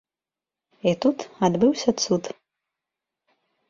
І тут адбыўся цуд.